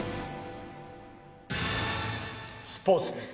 スポーツです。